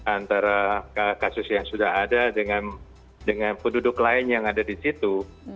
antara kasus yang sudah ada dengan penduduk lain yang ada di situ